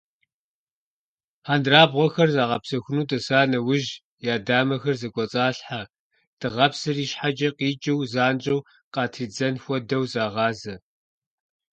Хьэндырабгъуэхэр загъэпсэхуну тӀыса нэужь, я дамэхэр зэкӀуэцӀалъхьэ дыгъэпсыр ищхьэкӀэ къикӀыу занщӀэу къатридзэн хуэдэу, загъазэ.